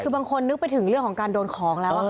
คือบางคนนึกไปถึงเรื่องของการโดนของแล้ว